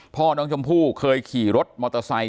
พ่อน้องชมพู่เคยขี่รถมอเตอร์ไซค